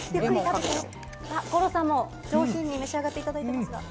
五郎さん、上品に召し上がっていただいています。